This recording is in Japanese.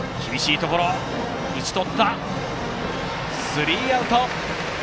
スリーアウト。